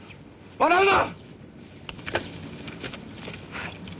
笑うな。